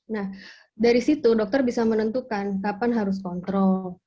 nah dari situ dokter bisa menentukan kapan harus kontrol